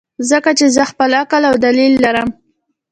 ځکه چې زۀ خپل عقل او دليل لرم -